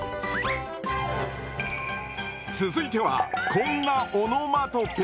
続いてはこんなオノマトペ。